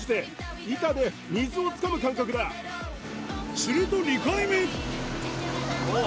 すると２回目おぉ！